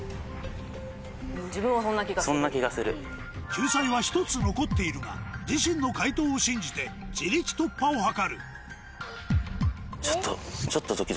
救済は１つ残っているが自身の解答を信じて自力突破を図るいい？